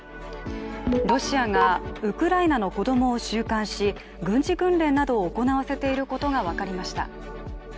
ロシアがウクライナの子供を収監し軍事訓練などを行わせていることが分かりました。